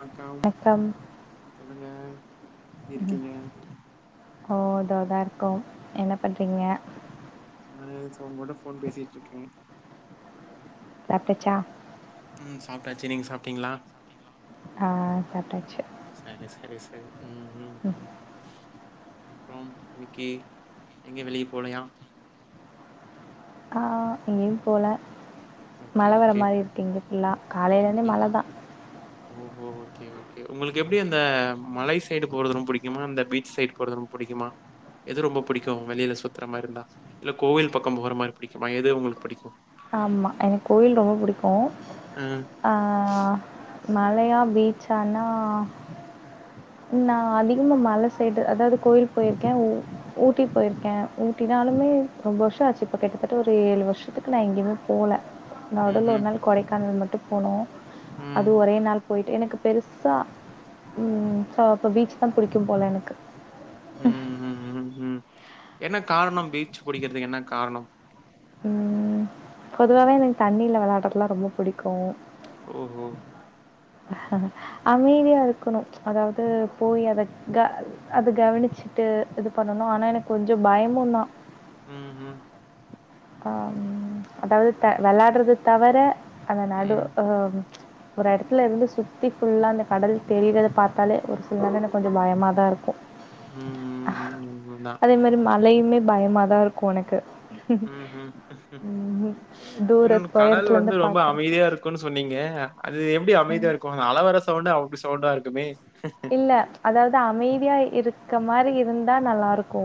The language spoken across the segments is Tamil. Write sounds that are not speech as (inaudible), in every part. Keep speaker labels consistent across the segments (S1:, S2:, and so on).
S1: வணக்கம் சொல்லுங்க எப்டி
S2: ம்
S1: இருக்கீங்க
S2: ஓ இதோ (unintelligible) கோம் என்ன பண்றீங்க
S1: நானு சோ உங்கூட ஃபோன் பேசிட்ருக்கே
S2: சாப்டாச்சா
S1: ம் சாப்ட்டாச்சு நீங்க சாப்ட்டீங்களா
S2: ஆ சாப்டாச்சு
S1: சரி சரி சரி
S2: ம்
S1: அப்றோம் இன்னிக்கு எங்கே வெளிய போலையா
S2: ஆ எங்கயு போல
S1: ஓகே
S2: மழ வர
S1: ஓகே
S2: மாரி இருக்கு இங்கிட்டுல்லா காலைல இருந்தே
S1: அப்டியா
S2: மழதா
S1: ஓஹோ ஓகே ஓகே உங்களுக்கு எப்டி அந்த மலை சைடு போறது ரொம் புடிக்குமா இந்த பீச் சைடு போறது ரொம் புடிக்குமா எது ரொம்ப புடிக்கு வெளியில சுத்தற மாரி இருந்தா இல்ல கோயில் பக்கோ போற மாரி புடிக்குமா எது உங்களுக்கு புடிக்கு
S2: ஆமா எனக் கோயில் ரொம்ப புடிக் கு
S1: அ
S2: ஆ மலையா பீச்சானா நா அதிகமா மல சைடு அதாவது கோயில் போயிருக்கே ஊட்டி போயிருக்கே ஊட்டினாலுமே ரொம்ப வருஷோ ஆச்சு இப்ப கிட்டத்தட்ட ஒரு ஏழு வருஷத்துக்கு நா எங்கியுமே போல நடுல ஒரு
S1: ம்ஹும்
S2: நாள் கொடைக்கானல் மட் டு போனோ அது
S1: ம்
S2: ஒரே நாள் போய் எனக்கு பெருசா ம் சோ அப்ப பீச்ச தா புடிக்கு போல எனக்கு
S1: உம் ம் ம் உம் என்ன காரணோ பீச்சு புடிக்கிறதுக்கு என்ன காரணோ
S2: ம் பொதுவாவே எனக்கு தண்ணில வெளையாடுறதுல்லா ரொம்ப பிடிக்கு
S1: ஓஹோ
S2: அமைதியா இருக்கணு அதாவது போய் அத க அத கவனிச்சுட்டு இது பண்ணணு ஆனா எனக்கு கொஞ்ச பயமு தா
S1: உம் ம்
S2: ஆஹம் அதாவது த விளயாட்றது தவிர அந்த நடு
S1: ம்.
S2: ஒரு எடத்துல இருந்து சுத்தி ஃபுல்லா அந்த கடல் தெரிறத பாத்தாலே ஒரு சில நேரோ எனக்கு கொஞ்ச பயம தா இருக்கு அ
S1: ம். உண்மதான்.
S2: அதே மாரி மழையுமே பயமாதா இருக் கு எனக்கு
S1: ம் ம்
S2: ம்.
S1: இன்னொன்னு
S2: தூரத்
S1: கடல்
S2: உயரத்துலருந்து
S1: வந்து ரொம்ப
S2: பார்க்குறப்போ.
S1: அமைதியா இருக்குனு சொன்னீங்க அது எப்படி அமைதியா
S2: ம்.
S1: இருக்கு அலவர ச வுண்டே அப்படி சவுண்டா இருக்குமே
S2: இல்ல அதாவது அமைதியா இருக் க்க மாரி இருந்தா நல்லா இருக் கோ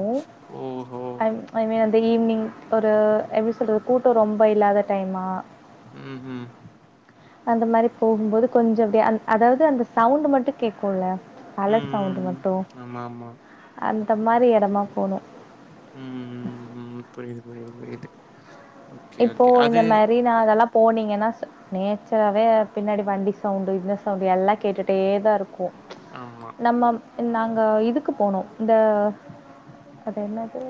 S1: ஓஹோ!
S2: ஐ ஐ (unintelligible) டுடே ஈவ்னிங் ஒரு எப்டி சொல்றது குட்டோ ரொம்ப இல்லாத டைமா
S1: உம் ஹம்
S2: அந்த மாரி போகும்போது கொஞ்சொ அப்டியே அந் அதாவ்து அந்த சவுண்ட் மட்டு கேக்கும்ல
S1: ம்.
S2: அல சவுண்டு
S1: ம்.
S2: மட்டு அந்
S1: ஆமா, ஆமா.
S2: அந்த மாரி எடமா போணு
S1: உம் ம் ம் ம் ம் ம் புரியுது புரியுது புரியுது ஓகே,
S2: இப்போ
S1: ஓகே. அது
S2: இந்த மாரி நா அதெல்லாப் போனீங்கன்னா சொ நேச்சரவே ஆஹ் பின்னாடி வண்டி சவுண்டு இந்த சவுண்ட்டு எல்லா கேட்டுடே தா ருக்கு
S1: ஆமா.
S2: நம்மம் நாங்க இதுக்கு போனோ இந்த அது என்னது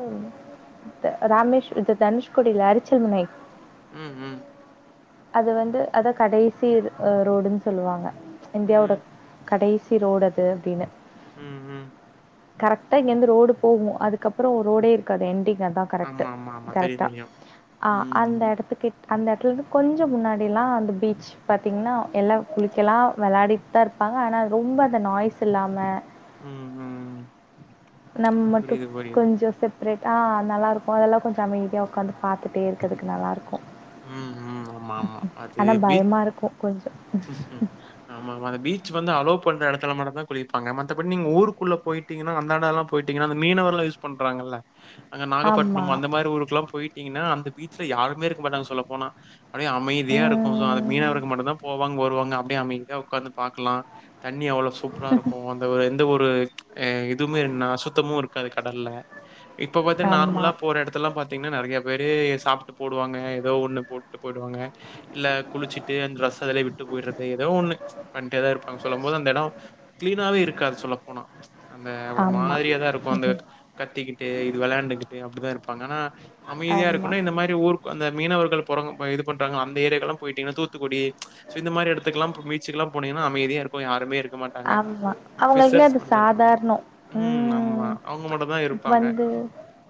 S2: ராமேஸ் இது தனுஷ்கோடில அரி ச்சல் முனை
S1: உம் உம்
S2: அது வந்து அத கடைசி இது ஆஹ் ரோடுன்னு சொல்லுவாங்க இந்தியாவுட
S1: ம்.
S2: கடைசி சிரோடது அப்டின்னு
S1: உம் உம்
S2: கரெக்டா இங்கிருந்து ரோடு போகோ அதுக்கப்புரொ ரோடே இருக்காது எண்டிங் அதா கரெக்டு
S1: ஆமா, ஆமா, ஆமா. தெரியும்,
S2: கரெக்டா
S1: தெரியும்.
S2: அ
S1: ம்.
S2: அந்த எடத்துக்குகிட் அந்த எடத்லேந்து கொஞ்சம் முன்னாடிலாம் அந்த பீச் பாத்திங்கன்னா எல்லா குளிக்கெலாம் விளாடிட்டு தா இருப்பாங்க ஆனா ரொம்ப அந்த நாய்ஸ் இல்லாம
S1: ம். ம்.
S2: நம்ம மட்டும்
S1: புரியுது, புரியுது.
S2: (unintelligible) ரெட் அஹ் நல்லாயிருக்கும் அதெல்லாம் கொஞ்சோ அமைதியா உக்காந்து பாத்துட்டே இருக்கத்துக்கு நல்லாருக்கு
S1: ம் ம் ஆமா ஆமா அது பீச்
S2: பயமா இருக்கும் கொஞ்சம்.
S1: ஆமா ஆமா அந்த பீச் வந்து அலோ போன்ற எடத்துல மட்டும்தா குளிப்பாங்க மத்தபடி நீங்க ஊருக்குள்ள போய்ட்டீங்க அந்தாண்டெல்லா போய்ட்டீங்கன்னா அந்த மீனவர் எல்லாம் யூஸ் பண்றாங்கல்ல அங்க
S2: ஆமா.
S1: நாகப்பட்டினம் அந்த மாரி ஊருக்குலாம் போய் டிங்கன்னா அந்த பீச்சல யாருமே இருக்க மாட்டாங்க சுத் சொல்ல போனா அப்டியே அமைதியா இருக்கு சோ அது
S2: ம்.
S1: மீனவர்க மட்டும்தா போவாங்க வருவாங்க அப்டியே அமைதியா உக்காந்து பாக்கலா தண்ணி அவ்வளோ சூப்பரா இருக்கும் அந்த வெந் எந்த ஒரு அஹ் இதுவுமே (unintelligible) சுத்தமும் இருக்காது கடல்ல இப்ப பாத்தின்ன
S2: ஆமா,
S1: நார்மலா போற இடதல்லா பாத்தீங்கன்னா நறைய வெறயே சாப்ட்டு போடுவாங்க ஏதோ ஒண்ணு போட்டு போய்டுவாங்க இல்ல குளிச்சிட்டு அந்த ட்ரெஸ் அதுலயே விட்டு போய்டுறது ஏதோ ஒண்ணு பண்டேதா இருப்பாங்க சொல்லும் போது அந்த எடம் கிளீனாவே இருக்காது சொல்லப்போனா அந்த ஒரு
S2: ஆமா.
S1: மாத்ரியா தா இருக்கும் அந்த
S2: ம்ஹ்ம்.
S1: கத்திக்கிட்டு இது வெள்ளையாண்டுகிட்டு அப்டிதா இருக்கும் இப்ப (unintelligible)
S2: ஆமா.
S1: அமைதியாருக்கணு இந்த மாரி ஊருக் வந்த மீனவர்கள் (unintelligible) ஆ இதுப்பண்றாங்ள அந்த ஏரியாக்குலா போய்ட்டிங்கனா தூத்துக்குடி சோ இந்த மாரி எடத்துக்குலா பீச்சிக்குலா போனிங்கனா அமைதியாருக்கு யாருமே இருக்க மாட்டங்க
S2: ஆமா அவங்களுக்குலா
S1: ஃபிஷ்ஷர்ஸ்
S2: அது
S1: மட்டு தா இருப்பாங்க
S2: சாதாரணோ
S1: ம் ஆமா அவுங்க மட்டு தா இருப்பாங்க
S2: வந்து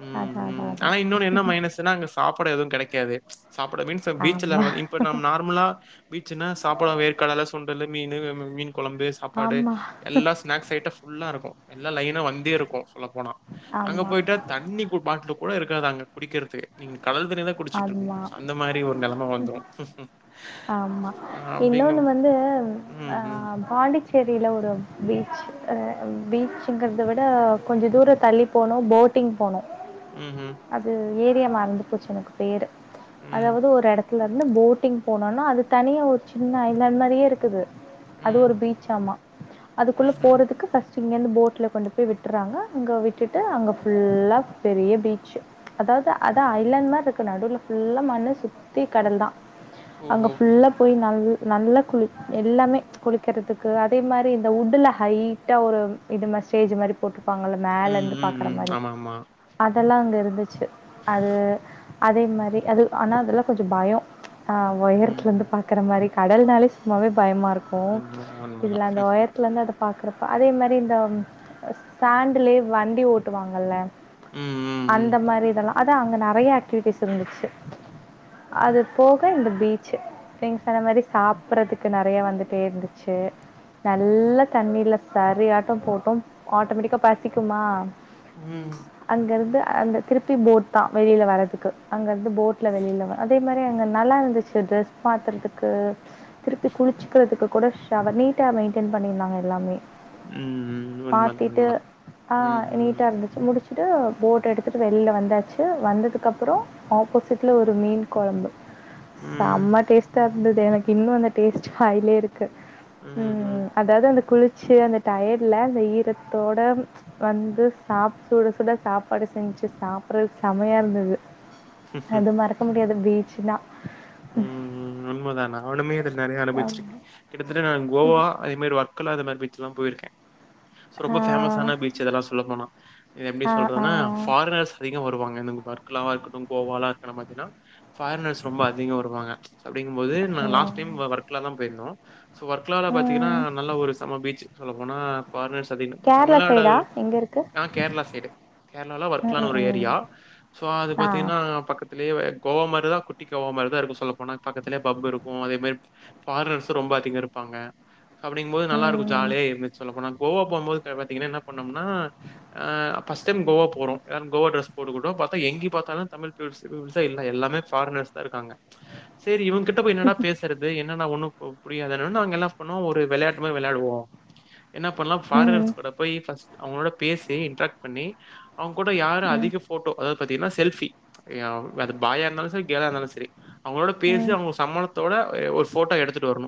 S1: ம்
S2: அதா அதா
S1: ம்
S2: அதா
S1: ஆனா இன்னொ என்ன மைனஸ்னா அங்க சாப்ட எது கெட க்காது சாப்ட மீன்ஸ் பீச்சல
S2: ஆமா
S1: இப்ப நம் நார்மலா பீச்னா சாப்ட வேர்கடல சுன் டலு மீனு (unintelligible) மீன் கொழம்பு சாப்பாடு
S2: ஆமா
S1: எல்லா ஸ்நாக்ஸ் ஐட்ட ஃபுல்லாருக்கு எல்லா லைனு வந்தேருக்கு ல போனா அங்க
S2: ஆமா
S1: போயிட்டு தண்ணி கு பாட்லு கூட இருக்காது அங்க குடிக்கர்துக்கு நீங்க கடல் தண்ணி தான் குடிச்சிட்டு இருக்கணும்.
S2: ஆமா
S1: அந்த மாரி ஒரு நெலைம வந்துரும்.
S2: ஆமா
S1: அ
S2: இன்னொன்னு
S1: அப்படிங்கும்
S2: வந்து
S1: ம்,
S2: ஆ
S1: ம்.
S2: பாண்டிச்சேரில ஒரு பீச் பீச்சுங்றத விட கொஞ்சோ தூர தள்ளி போனோ போட்டிங் போனோ
S1: ம் ம்
S2: அது ஏரியா மறந்து போச்சு எனக்கு பேரு
S1: ம்,
S2: அதாவது ஒரு எடத்து லருந்து போட்டிங் போனோனா அது தனியா ஒரு சின்ன ஐ லேண்ட் மாரியேருக்குது அது ஒரு
S1: ம்.
S2: பீச் ஆமா அதுக்குள்ள
S1: ம்ஹ்ம்.
S2: போறதுக்கு இங்கந்து போட்ல கொண்டு போய் விட்டுறாங்க அங்க விட்டுட்டு அங்கல்லா பெரிய பீச்ச அதாவது அத ஐலண்ட் மாரி இரு நடுவுல ஃபுல்லா மண்ணு சுத்தி கடல் தா அங்க
S1: ஓஹோ!
S2: ஃபுல்லா போயி நல் நல்லா குளி எல்லாமே குளிக்கறத்துக்கு அதே மாரி இந்த உட்டுல ஹைட்டா ஒரு இது மாரி ஸ்டேஜ் மாரி போட்டு ருப்பாங்கள
S1: ம்,
S2: மேலருந்து
S1: ம்,
S2: பாக்குற
S1: ம்.
S2: மாரி
S1: ஆமாமா.
S2: அது இதெல்லா அங்கருந்துச்சு அது அதே மாரி அது ஆனா அதெலா கொஞ்ச பயொ ஆ ஒயரத்துலந்து
S1: ம்.
S2: பாக்குற மாரி கடல்னாலே சும்மாவே பயமாருக்கு
S1: உண்மதான்,
S2: இதுல
S1: உண்மதான்.
S2: அந்த ஒயரத்துலந்து அத பாக்குற அதே மெரி இந்த சாண்டுலே வண்டி ஓட்டுவாங்கள்ல
S1: ம், ம், ம்.
S2: அந்த மாரி இதெல்லா அதா அங்கே நெறையா விட்டஸ் இருந்துச்சு அது போக இந்த பீச் நீங்க சொன்ன மாரி சாப்பறதுக்கு நெறைய வந்துட்டே இருந்துச்சு நல்ல தண்ணி இல்ல சரி ஆட்டம் போட்டோம் ஆட்டோமேட்டிக்கா பசிக்குமா
S1: ம்
S2: அங்கர்ந்து அந்த திருப்பி போர்ட் தா வெளியில வர்றதுக் அங்கே இருந்து போட்டில வெளியிலவ அதே மாரி அங்கே நல்லா இருந்துச்சு ட்ரெஸ் பாத்துறதுக்கு திருப்பி குளிச்சுக்கிறதுக்கு கூட ஷவர் நீட்டா மெயின்டென் பண்யிருந்தாங்க எல்லாமே
S1: உம் உம் உண்மதா
S2: மாத்திட்டு
S1: உண்மதா உம் உம்
S2: ட்டு போட் எடுத்துட்டு வெளியில வந்தாச்சு வந்ததுக்கப் ப்புறோ ஆப்போசிட்டில ஒரு மீன் கொழம்பு
S1: ம்
S2: செம டேஸ்ட் டா இருந்தது எனக்கு இன்னு அந்த டேஸ்ட் வாயிலே இரு
S1: ம்ஹ்ம்
S2: உம் அதாது அந்த குளி ச்சு அந்த டயேட்ல அந்த ஈரத்தோடு வந்து சாப்ப சுட சுட சாப்பாடு செஞ்சிச்சு சாப்பிட்றது செமையா இருந்தது அது மறக்க முடியாது பீச்சுன
S1: ம் ம் உண்மைதா நானுமே இது நெறைய அனுபவிச்சிருக்கே
S2: ஆமா.
S1: கிட்டத்தட்ட நா கோவா அதே மாரி (unintelligible) க்கலா இந்த மாரி பீச்லா போயிருக்கே சோ ரொம்ப
S2: ஆ.
S1: பேமஸான பீச் இதெல்லா சொல்ல போனா எப்டி
S2: ஆ, ஆ.
S1: சொல்றதுனா பாரினர்ஸ் அதிகோ வருவாங் எனக்கு வெர்க்கலா இருக்கட்டு கோவாலா இருக்கற (unintelligible) அதிகோ வருவாங்க சோ அப்டிங்கும் போது நா
S2: ம்.
S1: லாஸ் டைம் வர்க்லா தா போயிருந்தோ சோ வர்க்கலாலா பாத்தீங்கன்னா
S2: ம்.
S1: நல்ல ஒரு செம பீச்சு சொல்லப்போனா ஃபாரினர்ஸ் அதிக
S2: கேரளா சைடா?
S1: தமிழ்நாடாகலு
S2: எங்க இருக்கு?
S1: ஆ கேரளா சைடு கேரளால வர்க்கலானு ஒரு ஏரியா சோ அது பாத்தீங்கன்னா பக்கத்து லேவே கோவா மாரிதா குட்டிக் கோவா மாரிதா இருக்கு சொல்ல போனா பக்கத்துலே பப் இருக்கு அதே மாரி ஃபாரினர்ஸும் ரொம்ப அதிக இருப்பாங்க அப்டிங்கும் போது நல்லார்க்கு ஜாலியா இருந்துச் சொல்லப்போனா கோவா போம்போது தே பாத்தீங்கன்னா என்ன பண்ணோனா அ ஃபஸ் டைம் கோவா போறோ எதான் கோவா ட்ரெஸ் போட்டுக்குட்டோம் பாத்தா எங்கே பாத்தாலு தமிழ் ப்யூர்ஸே ப்யூபிள்ஸே இல்ல எல்லாமே ஃபாரினர்ஸ் இருக்காங்க செரி இவங் கிட்ட போய் என்னடா பேசறது என் என்னண்ணா ஒன்னு பு புரியாதாண்ணானு நாங்கெல்லா சொன்னோ ஒரு வெளையாட்டு மாரி வெளையாடுவோ என்ன பண்லா ஃபாரினர்ஸ் கூட போய் ஃபஸ் அவங்களோட பேசி இன்ட்ராக்ட் பண்ணி அவங்க கூட யாரு அதிக ஃபோட்டோ அதாது பாத்தீங்ன்னா செல்ஃபி ய அது பாயா இருந்தாலு செரி கேளா சரி அவங்ளோட பேசி அவங்க சம்மதுத்தோட (unintelligible) ஒரு ஃபோட்டோ எடுத்துட்டு வரணு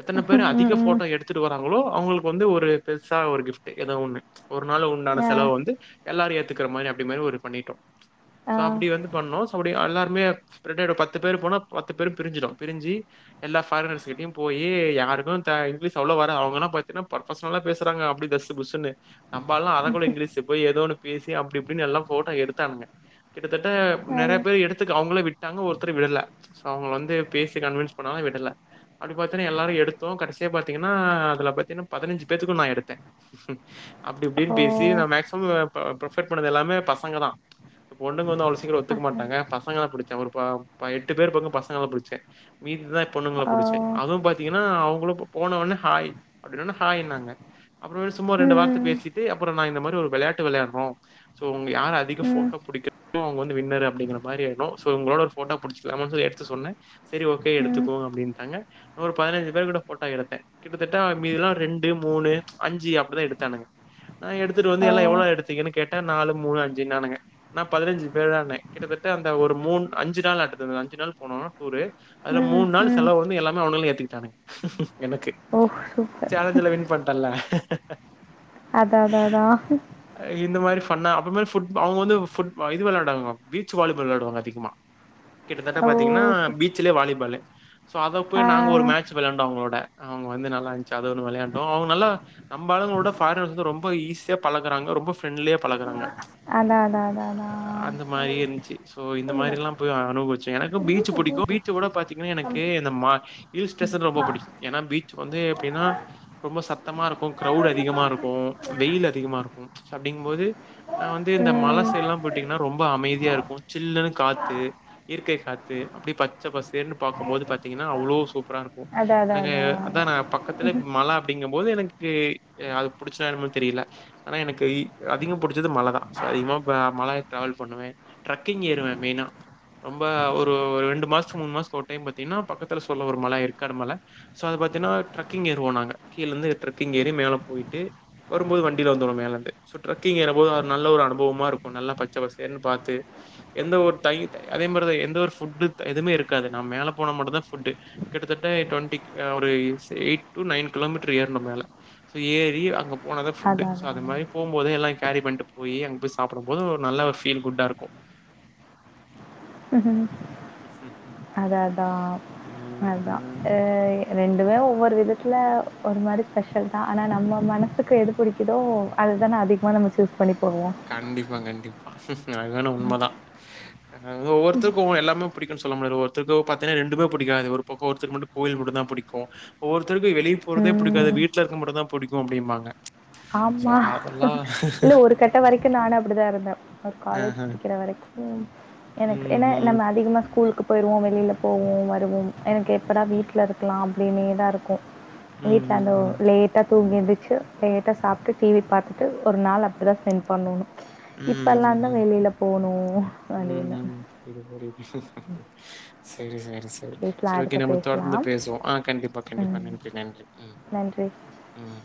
S1: எத்தன பேர் அதிக ஃபோட்டோ எடுத்துட்டு வராங் களோ அவங்களுக்கு வந்து ஒரு பெருசா ஒரு கிஃப்ட்டு எதோ ஒன்னு ஒரு நாள் உண்டான செலவ் வந்து எல்லாரு ஏத்துக்கற மாரி அப்டி மாரி ஒரு பண்ணிட்டோ சோ அப்டி வந்து பண்ணோ அப்டி எல்லார் மே (unintelligible) பத் து பேர் போனா பத்து பேரு பிரிஞ்சிரு பிரிஞ்சி எல்லா ஃபாரினர்ஸ்கிட்டயு போயி யாருக்கு த இங்கிலீஷ் அவ்ளோ வர அவங்கல்ல பாத்தீன்னா பர்ஃபசனலா பேசறாங்க அப்படி தஸ்ஸு புஸ்ஸுனு நம்மாலா அரகொல இங்கிலீஸு போய் ஏதோ ஒன்னு பேசி அப்டி இப்டினு எல்லா ஃபோட்டோ எடுத்தானுங்க கிட்டத்தட்ட நெறைய பேர் எடுத்துக்க அவுங்களே விட் டாங்க ஒரு த்திரி விட்ல சோ அவங்க வந்து பேசி கன்வன்ஸ் பண்ணாலு விடல அப்டி பாத்தீனா எல்லாரு எடுத்தோ கடைசியா பாத்தீங்கனா அதுல பாத்தீங்கன்னா பதினஞ்சு பேத்து கூட் நா எடுத்தே அப்டி இப்டின் பேசி நா மேக்சிமம் அ ப ப்ரிஃபேர் பண்ணது எல்லாமே பசங்க தா பொண்டுங்க வந்து அவ்ளோ சீக்கிரோ ஒத்துக்க மாட்டங்க பசங்க தா புடிச்ச ஒரு பாவ் பா எட்டு பேர் பக்கோ பசங்கள புடிச்சே மீது தா பொண்ணுங்கள புடிச்சே அதுவு பாத்தீங்கனா அவங்களு ப போன உட்னே ஹாய் அப்டின்னோன்னே ஹாய்னாங்க அப்புற மேல் சும்மா ரெண்டு வார்த்த பேசிட்டு அப்றோ நா இந்த மாரி ஒரு வெளையாட்டு வெளையாட்ணு சோ யார் அதிக ஃபோட்டோ புடிக்கறாங்ளோ அவுங் வந் வின்னர் அப்டிங்கற மாரி ஆய்ட்னு சோ உங்களோட ஒ ஃபோட்டா புடிச்சிக்கலாமான் சொல்லி எடுத்து சொன்னே சரி ஓகே எடுத்துக்கோ அப்டின்டாங்க நா ஒரு பதனஞ்சு பேர் கூட ஃபோட்டோ எடுத்தே கிட்டத்தட்ட மீதிலா ரெண்டு, மூணு, அஞ்சு அப்படிதா எடுத்தாந்தாங்க. நா எடுத்துட்டு வந்து எல்லா எவ்வளோ எடுத்தீங்கன்னு கேட்டே நாலு, மூணு, அஞ்சுனானுங்க நா பதினஞ்சு பேர்டான்னே கிட்டத்தட்ட அந்த ஒரு மூன் அஞ்சு நாள் (unintelligible) அஞ்சு நாள் போனோ டூரு அதுல மூண் நாள் செலவ் வந்து எல்லா மே அவனுகளே ஏத்துக்கிட்டானுங் எனக்கு சேலஞ்ச்ல வின் பண்டன்ல ஹ்ஹஹ
S2: அத்தத்ததா
S1: பண்ண அப்ப மேல் ஃபுட் அவங்க வந்து ஃபுட் இது வெளாடாங்க பீச் வாலிபால் வெளயாடுவாங்க அதிகமா கிட்டதட் ட்ட
S2: ஓ
S1: பாத்தீங்கன்னா
S2: சு
S1: பீச்சலே வாலிபாலு சோ அத போய்
S2: ஆ
S1: நாங்க ஒரு மேட்ச் வெளையாண்டோ அவங்களோட அவ்ங்க வந்து நல்லா இன்ச்சு அது ஒன்னு வெளயாண்டோ அவங்க நல்லா நம்மாளுங்களோட ஃபாரினர்ஸ் வந்து ரொம்ப ஈஸியா பழக்குறாங்க ரொம்ப ஃப்ரெண்ட்லியா பழக்குறாங்க
S2: அதா அதா அதா அதா
S1: ப்பு அனுபுவிச்சே எனக்கு பீச்ச புடிக்கூ பீச்சு ஓட பாத்தீங்கன்னா எனக்கு இந்த மா ஹில் ஸ்டேஷன் ரொம்ப பிடிக்கூ ஏனா வீட் சு வந்து எப்டின்னா ரொம்ப சத்தமா இருக்கூ க்ரௌட் அதிகமா இருக்கூ வெயில் அதிகமா இருக்கூ அப்பிடிங் போது நா வந்து இந்த மல
S2: ம்
S1: சைட்லா போயிட்டிங்ன்னா ரொம்ப அமைதியா இருக்கூ சில்லுன்னு காத்து இற்கை காத்து அப்டி பச்ச பசேர்ன்னு பாக்கும்போது பாத்தீங்ன்னா அவ்வளோ சூ ப்றா இருக்கூ
S2: அதா அதா
S1: எனக்கு அதா நா பக்கத்லே மழ அப்டிங்கம் போது எனக்கு அது பிடிச்ச என்னமொன் தெரில ஆனா எனக்கு இ அதிகம் புடிச்சது மல தா ஸோ அதிகமாக மல ட்ராவல் பண்ணுவே ட்ரக்கிங் ஏறுவே மெய்னா ரொம்ப ஒரு ரெண்டு மாஸ்த்துக்கு மூணு மாஸ்த்துக்கு ஒரு டைம் பாத்தீங்ன்னா பக்கத்துல சொல்ல ஒரு மல ஏர்க்காடு மல சோ அத பாத்தென்னா ட்ரக்கிங் ஏறுவோ நாங்க கீழ இருந்து ட்ரக்கிங் ஏறி மேலே போயிட்டு வரும்போது வண்டில வந்துருவோ மேல இருந்து. சோ ட்ரெக்கிங் ஏறும் போது அது நல்ல ஒரு அனுபவமா இருக்கூ நல்லா பச்ச பசேர்ன்னு பாத்து எந்த ஒரு டை அதே மாரா தா எந்த ஒரு ஃபுட்டு் எதுமே எடுக்காத. நா மேலே போனா மட்டூ தா ஃபுட்டு. கிட்டத்தட்ட டுவெண்ட்டி கி ஒரு say eight to nine kilometre ஏற்ணு மேல ஏறி அங்கப் போனாதா ஃபுட்டு
S2: அதா
S1: சோ அது மாரி
S2: அதா.
S1: போம்போது எல்லாய் கேரி பண்ணிட்டு போய் அங்க போயி சாப்டும் போது ஒரு நல்ல ஃபீல் குட்டா இருக்கூ
S2: ம்ஹு அதா அதா அதா அ
S1: ம்.
S2: ரெண் எதா ஒவ்வொரு விதத்ல ஒரு மாரி ஸ்பெஷல் தா ஆனா நம்ம மனசுக்கு எது புடிக்குதோ அதுதானே அதிகமா நம்ம சூஸ் பண்ணி போவோ
S1: அதுவெனா உண்மதா அது ஒவ்வருத்தருக் ஒவ்வொ எல்லாம புடிக்குன் சொல்ல முடியாது ஒருத்தர்கு பாத்தெனா ரெண்டுமே புடிக்காது ஒரு பக்கோ ஒருத்தர் மட்டு கோவில் மட்டுந்தா புடிக்கு ஒவ்வொருத்தருக்கு வெளிய போறதே புடிக்காது
S2: ம்.
S1: வீட்ல இருக்க மட்டுந்தா புடிக்கு அப்டீம்பாங்க
S2: ஆமா இல்ல ஒரு கட்ட வரைக்கு நானு அப்டிதா இருந்தே ஒ காலேஜ்
S1: ஆஹ.
S2: புடிக்ற வரைக் ம் எனக்கு என்னா நம்ம
S1: ம்ஹ்ம்.
S2: அதிகமா ஸ்கூல்க்கு போயிருவோ வெளில போவோ வருவோம் எனக்கு எப்பதா வீட்லருக்லா அப்டின்னே தா இருக்கூ வீட்லந்தோ
S1: ம்ஹ்ம்.
S2: லேட்டா தூங்கி எந்தி சு லேட் டா சாப்ட்டு டி வி பாத்திட்டு ஒரு நாள் அப்டி தா ஸ்பெண்ட் பண்ணோணு
S1: ம்.
S2: இப்பெல்லாந்தா
S1: ம்.
S2: வெளில போணு வண்டில
S1: ம். சேரி செ ரிசை செரி ஓக்கே நம்ம தொடர்ந்து பேசுவோம் ஆ கண்டிப்பா கண்டிப்பா
S2: ம்.
S1: நன்றி நன்றி ம்
S2: நன்றி.
S1: ம்